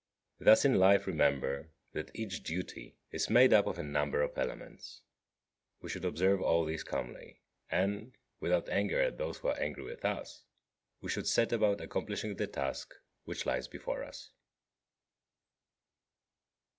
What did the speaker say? Thus in life remember that each duty is made up of a number of elements. We should observe all these calmly; and, without anger at those who are angry with us, we should set about accomplishing the task which lies before us.